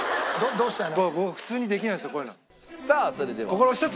どうしたの？